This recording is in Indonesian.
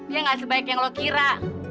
ya gak sebaik yang lo kira